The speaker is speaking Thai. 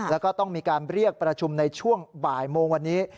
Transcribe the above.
แล้วก็ต้องมีการเรียกประชุมในช่วงบ่ายโมงวันนี้